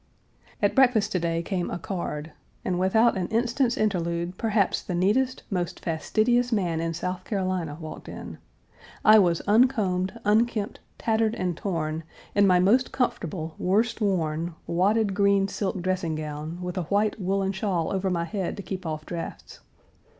At breakfast to day came a card, and without an instant's interlude, perhaps the neatest, most fastidious man in South Carolina walked in. I was uncombed, unkempt, tattered, and torn, in my most comfortable, worst worn, wadded green silk dressing gown, with a white woolen shawl over my head to keep off draughts.